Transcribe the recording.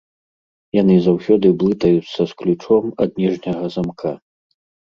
Яны заўсёды блытаюцца з ключом ад ніжняга замка.